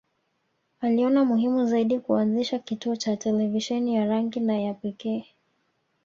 Aliona muhimu zaidi kuanzisha kituo cha televisheni ya rangi na ya pekee